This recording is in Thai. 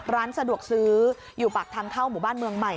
ร้านสะดวกซื้ออยู่ปากทางเข้าหมู่บ้านเมืองใหม่